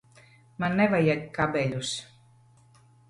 Man nevajag kabeļus.